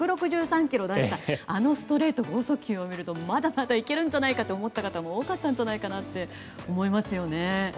１６３キロを出したあのストレート剛速球を見るとまだまだ行けるんじゃないかと思った方も多いんじゃないかと思いますね。